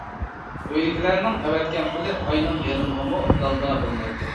ئۆيدىكىلەرنىڭ ئەۋەتكەن پۇلى ئاينىڭ يېرىمىغىمۇ دالدا بولمايتتى.